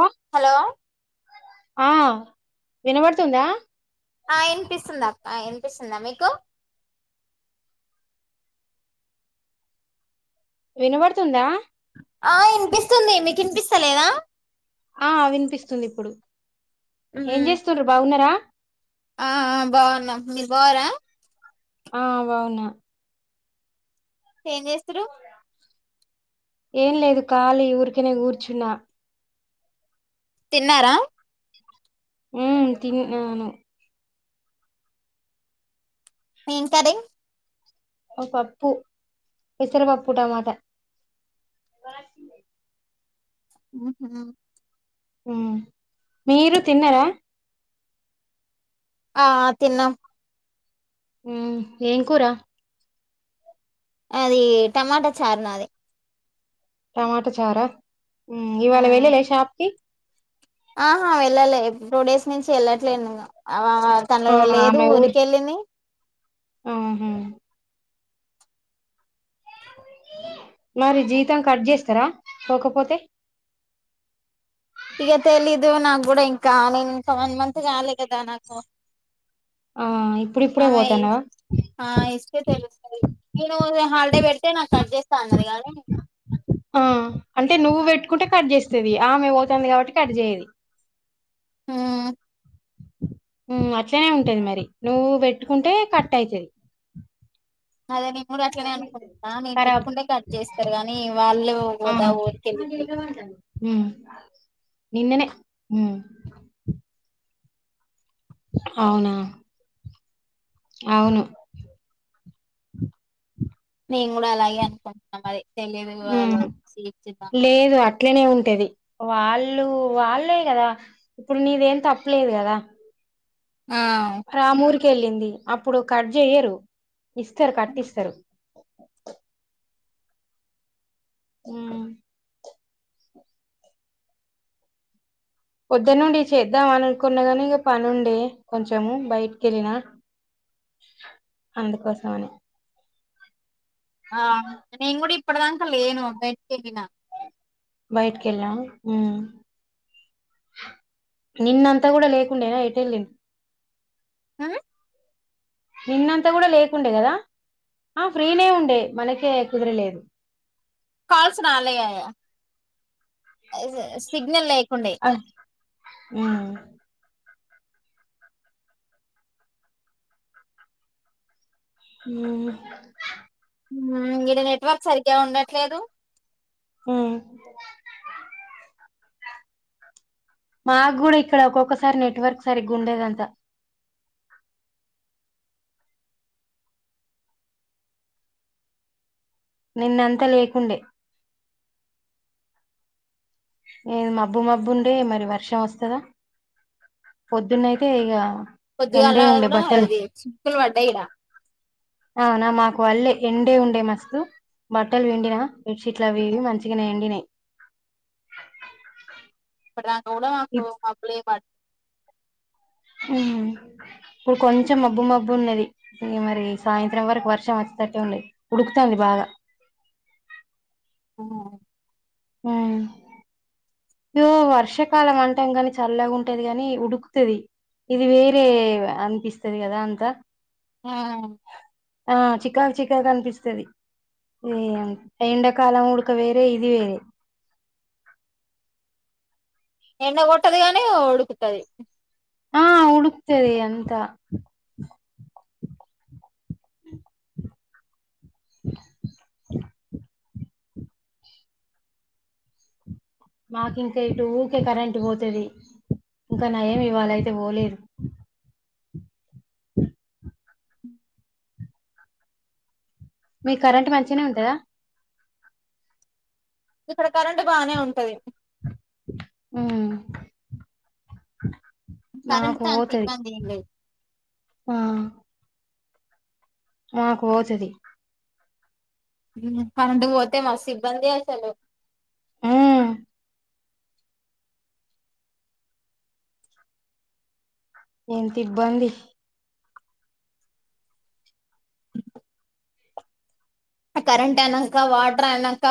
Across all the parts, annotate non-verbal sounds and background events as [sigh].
ఉ hello ఆ వినబడుతుందా ఆ వినిపిస్తుందా అక్క వినిపిస్తుందా మీకు వినబడుతుందా ఆ ఇనిపిస్తుంది మీకు వినిపిస్తలేదా ఆ వినిపిస్తుంది ఇప్పుడు ఏం ఉమ్ చేస్తుర్రు బాగున్నారా ఆ బాగున్నా మీరూ బరా ఆ బవునా ఏం జీస్తుర్రు ఏం లేదు ఖాలీ ఊరికనే కూర్చున్నా తిన్నారా ఉమ్ తి అను ఏం కర్రీ ఒక పప్పు పెసరపప్పు టమాట బ ఉహ ఉ మీరు తిన్నరా ఆ తిన్నా ఉ ఏం కూరా అది టమాటా చార్ నాది టమాటా చారా ఇవాళ వెళ్ళలే షాప్ కి ఆహా వెళ్ళలే టూ డేస్ నుంచి వెళ్ళట్లేదు ఇగా ఆ తనలో లేదు ఆమె ఊరి ఊరికెళ్ళిదీ ఆహా మరి జీతం కట్ చేస్తారా పోకపోతే ఇక తెలీదు నాకు కూడా ఇంకా నేను ఇంకా వన్ మంత్ కాలే కదా నాకు ఆ ఇప్పుడిప్పుడే ఆమె పోతాన్నావా ఇస్తే తెలుతది నేను హాలిడే పెడితే నాకు కట్ చేస్తా అన్నది కానీ ఆ అంటే నువ్వు పెట్టుకుంటే కట్ చేస్తుేది ఆమె అవుతుంది కాబట్టి కట్ చేయేది ఉ ఉమ్ అట్లనే ఉంటది మరి నువ్వు పెట్టుకుంటే కట్ అవుతది అదే నేను కూడా అట్నే అనుకోం ఆ నేను ఖరాబ్ పెట్టుకుంటే కట్ చేస్తారు కానీ వాళ్ళే పో పోదా ఊరికెళ్ళికి ఉ నిన్ననే ఉ అవునా అవును మేను కూడా అలాగే అనుకుంటున్నాం మరి తెలిదు వాళ్ళ మ్మ్ చీర్చుద్దాం లేదు అ అట్లనే ఉంటది వాళ్ళు వాళ్ళే కదా ఇప్పుడు నీదేం తప్పులేదు కదా ఆ రామూర్కెళ్ళింది అప్పుడు కట్ జేయరు ఇస్తరు కట్టిస్తరు ఉమ్ పొద్దునుండి చేద్దాం అని అనుకున్నగానీ ఇంక పనుండే కొంచెము బయటికెళ్ళిన అందుకోసమని ఆ నేను కూడా ఇప్పడదాంక నేను బయటకెళ్ళిన బయిట్కెళ్ళ మ్ నిన్నంతా కూడా లేకుండేనా ఎటేళ్ళి ఆ నిన్నంతా కూడా లేకుండే కదా ఆమె ఫ్రీనే ఉండే మనకే కుదరలేదు కాల్స్ రాలేయ్యాయ సిగ్నల్ లేకుండే ఆ ఉమ్ మ్ హు ఉమ్ ఇడ నెట్వర్క్ సరిగ్గా ఉండట్లేదు ఉమ్ మా గూడా ఇక్కడ ఒక్కొక్కసారి నెట్వర్క్ సరిగ్గా ఉండదంత నిన్నంత లేకుండే ఏ మబ్బు మబ్బు ఉండే మరి వర్షం వస్తదా పొద్దున్నయితే ఇగ ఎండే పొద్దుగాలా ఉండే కూడా బట్టలు ఇది చుక్కలు పడ్డాయి ఇడ అవున మాకు వల్లేె ఎండే ఉండే మస్తు బట్టలు విండినా బెడ్షీట్లు అవి ఇవి మంచిగనే ఎండినై ఇప్పటి దాక కూడ కు మబ్లె పట్ ఉమ్ కొంచెం మబ్బు మబ్బు ఉన్నది మరి సాయంత్రం వరకు వర్షం వచ్చేటట్టే ఉంది ఉడుకుతంది బాగా మ్ మ్మ్ ఇగో వర్షాకాలం అంటాం కాని చల్లగా ఉంటది గాని ఉడుకుతది ఇది వేరే అనిపిస్తది కదా అంతా ఆ ఆ చికా చికాగ్గా అనిపిస్తది ఏ ఎండకాలం ఉడక వేరే ఇది వేరే ఎండ కొట్టది గాని ఉడుకుతది ఆ ఉడుక్తది అంత మాకు ఇంకా ఇటు ఊకే కరెంట్ పోతది ఇంకా నయమ్ ఇవాళయితే పోలేరు మీ కరెంట్ మంచినే ఉంటదా ఇక్కడ కరెంట్ బానే ఉంటది ఉమ్ కరెంట్ మాకు తో అంత ఓతది ఇబ్బంది ఏం లేదు ఆ మాకు ఒతది కరెంట్ ఒతే మస్తు ఇబ్బంది అసలు ఉమ్ ఎంత ఇబ్బంది కరెంట్ అయినంక వాటర్ అయినంక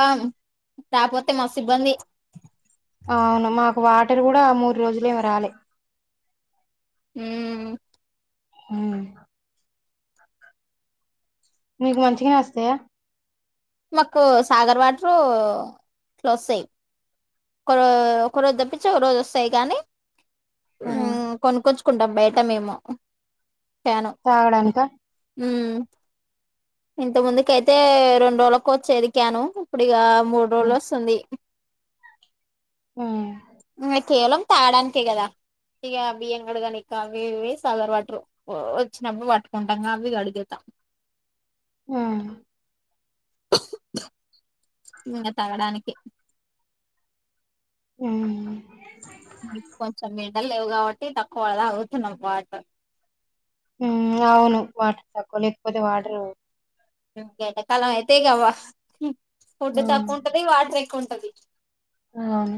రాపోతే మస్తు ఇబ్బంది అవును మాకు వాటర్ కూడా మూడు రోజులే ఏమో రాలే ఉం ఉం మీకు మంచిగానే వస్తాయా మాకు సాగర్ వాటరు ఇట్లోస్తాయి ఒకరో ఒక రోజు తప్పించి ఒక రోజు వస్తాయి గాని ఉమ్ కొనుకోచ్ కుంటాం బయట మేము క్యాను తాగడానికా ఉమ్ ఇంత ముందుకైయితే రెండు రోజులకు వచ్చేది క్యాను ఇప్పుడు ఇగ మూడు రోజులు ఉమ్ వస్తుంది ఉం కేవలం తగడనికే కదా ఇగ బియ్యం గడగానీకి అవి ఇవి సాగర్ వాటరు వచ్చినప్పుడు పట్టుకుంటాం అవి అడిగేతాం ఉం ఇంగ తాగడానికి ఉం కొంచెం ఎండల్ లేవు కాబట్టి తక్కువ తాగుతున్నాం వాటరు ఉం అవును వాటర్ తకువ లేకపోతే వాటర్ ఎండ కాలం అయితే ఇగ వ ఫుడ్ ఉమ్ తక్కువ ఉంటది వాటర్ ఎక్కువంటది అవును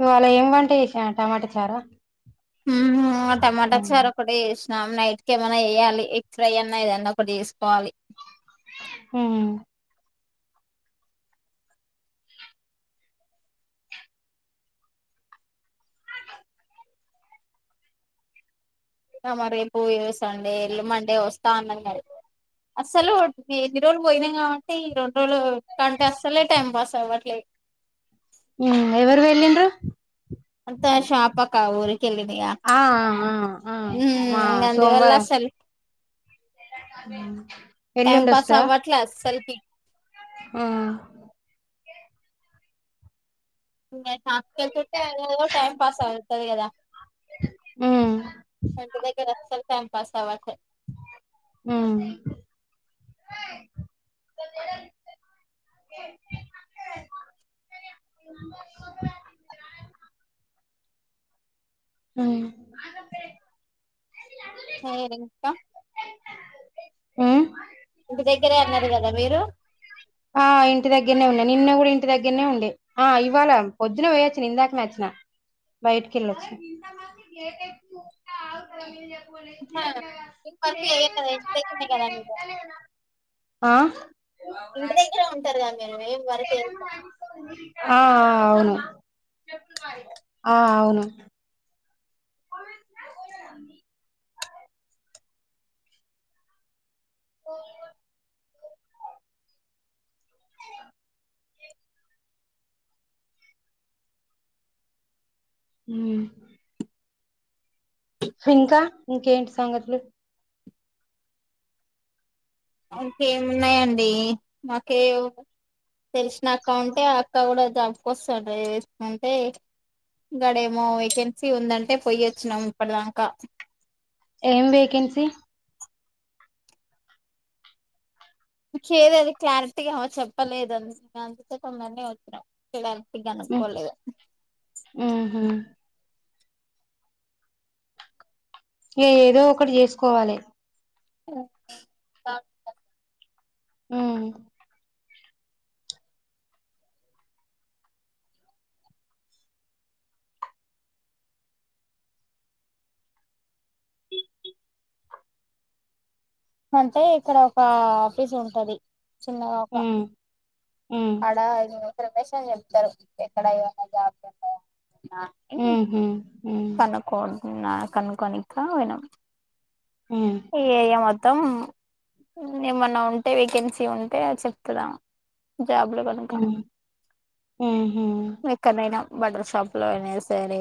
ఇవాళ ఏమివంట చేసినవు టమాటా చారా హు హామ్ టమాటా ఉమ్ చారా ఒక్కటే చేసిన అం నైట్ క ఏమైనా చేయ్యాలి ఎగ్ ఫ్రై అన్నా ఏదన్నా ఒకటి చేసుకోవాలి ఉం మా రేపు సండే ఇల్లు మండే వస్తా అన్నది మరి అస్సలు ఎన్ని రోజులు పోయినాం కాబట్టి ఈ రెండు రోజులు కంటే అస్సలే టైం పాస్ అవ్వట్లేదు ఉం ఎవరు వెలిన్రు అంత షాపక్క ఊరికెళ్ళినయా ఆ అ అ మా ఇంగ సోమవారం టైమ్ పాస్ అవట్లా అస్సలకి ఆ నా [unintelligible] చట్టే టైమ్ అదేదోపాస్ ఆవుతుది కదా ఉమ్ ఇంటి దగ్గర అసలు టైమ్ పాస్ అవ్వట్లే ఉం ఉం ఏరింక [unintelligible] ఉమ్ ఇంటి దగ్గరే ఉన్నారు గద మీరు ఆ ఇంటి దగ్గరనే ఉండె నిన్న కూడా ఇంటి దగ్గరనే ఉండె ఆ ఇవ్వాల పొద్దున పోయిచ్చిన ఇందాకనే వచ్చిన బయటికేళ్ళొచ్చిన [unintelligible] పోన్లే ఆహా చిన్న ఏం పిల్లగాలు వర్క్ చేయరు కదా చేయాల్సిన ఇంటి దగ్గరనే పనులు కదా మీరు చేయకుండానే ఉన్నారు [unintelligible] ఆ ఇంటి దగ్గరే ఉంటారు కదా మీరు ఏం వర్క్ చేయరు కదా? ఆ ఆ అవును ఆ అవును [inaudible] [inaudible] ఉమ్ ఇంకా ఇంకేంటి సంగతులు ఇంకేమున్నాయండి మాకేవు తెలిసిన అక్క ఉంటే ఆ అక్క కూడా జాబ్కోస్తాది ఏసుకుంటే ఇంగాడేమో వేకెన్సీ ఉందంటే పొయొచ్చినం ఇప్పటిదాంక ఏం వేకెన్సీ ఇచ్చేదీ అది క్లారిటీగా ఏ చెప్పలేదండి అందుకే తొందరగే వచ్చినం ఇంగంత్ గనుక్కోలేదు ఉహుమ్ ఈ ఏదో ఒకటి చేసుకోవాలి ఇంకా హ అంటే ఇక్కడ ఒక ఆఫీస్ ఉంటది చిన్నగా ఒక ఉమ్ ఉమ్ అడ రమేష్ అని చెప్తరు ఎక్కడ ఏమన్నా జాబ్లు ఉన్నాయా ఆ ఉహు ఉమ్ కనుకో కనుక్కోనిక్క పోనాం అ ఈ ఏరియా మొత్తం ఏమన్నా ఉంటే వేకెన్సీ ఉంటే చెప్తదా జాబ్ ఉ ఉహు ఎక్కనైనా బటర్ షాప్లో అయినా సరే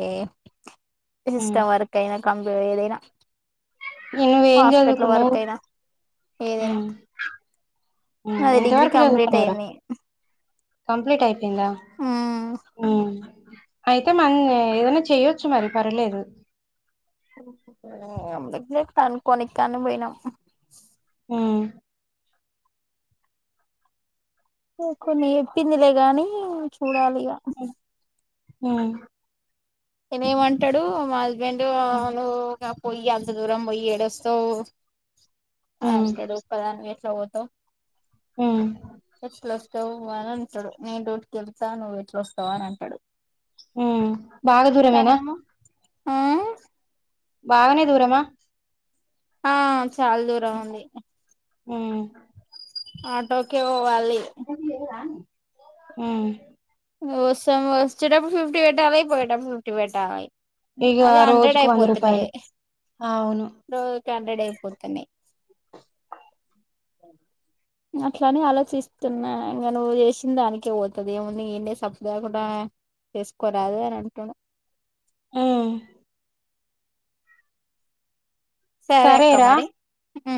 ఉమ్ సిస్టమ్ వర్ ఐనా కంప ఏదైనా నువ్వేం హాస్పిటల్ చదువుకున్నావు వర్క్ అయినా ఏదైనా ఉమ్ ఉమ్ నాది ఎంత డిగ్రీ వరకు కంప్లీట్ చదువుకున్నావురా అయింది కంప్లీట్ అయిపోయింద ఉమ్ అయితే మ ఏదైనా చేయ్యొచ్చు మరి పర్లేదు అ ఎందుకులే కనక్కో కని పోయినాం ఆ కొన్ని చెప్పిందిలే గాని చూడాలి ఇక ఉమ్ నేనే ఏమంటాడు మా హస్బెండ్ ఉమ్ నువు పోయ్యి అంత దూరం పోయి ఎడస్తవ్ ఉమ్ అంటడ్ ఒక్క దానివే ఎట్ల పోతవ్ ఉ ఎట్లు వస్తావు అని అంటడు నేను రోటికి వెళ్తా నువ్వు ఎట్ల వస్తవ్ అని అంటడు ఉ బాగా దూరమేనా తనేమో ఆ బాగనే దూరమా ఆ చాల దూరం ఉంది ఉ ఆటోకే పోవాలి ఉమ్ వసం వచ్చేటప్పుడు ఫిఫ్టీ పెట్టాలి పోయేటప్పుడు ఫిఫ్టీ పెట్టాలి ఇగ అదె హండ్రెడ్ రోజుకు వంద అయిపోతున్నాయ్ రూపాయలు అవును రోజుకి హండ్రెడ్ అయిపోతున్నయ్ అట్లానే ఆలోచిస్తున్నా ఇంగ నువ్వు చేసిన దానికే పోతది ఏము నే ఏనే సబ్దా కూడా చేసుకోరాదు అని అంటాను ఉమ్ సరే అక్క సరేరా మరి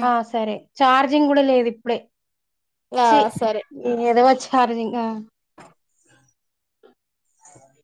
ఆ సరే చార్జింగ్ కూడా లేదు ఇప్పుడే ఆ సరే ఏదో వచ్చ ఛార్జింగ్ ఆ అవు